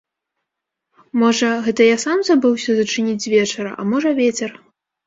Можа, гэта я сам забыўся зачыніць звечара, а можа, вецер.